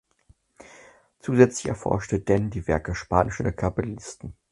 Zusätzlich erforschte Dan die Werke spanischer Kabbalisten.